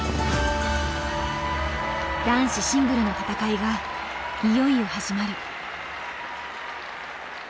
男子シングルの戦いがいよいよ始まる。